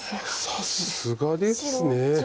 さすがです。